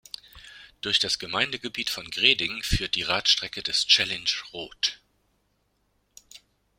Durch das Gemeindegebiet von Greding führt die Radstrecke des Challenge Roth.